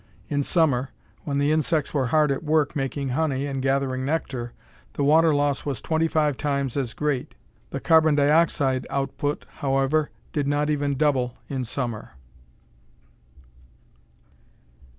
In summer when the insects were hard at work making honey and gathering nectar the water loss was twenty five times as great. The carbon dioxide output, however, did not even double in summer.